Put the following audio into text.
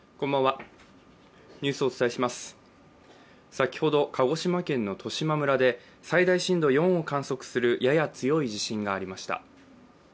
先ほど鹿児島県の十島村で最大震度４を観測するやや強い地震がありました。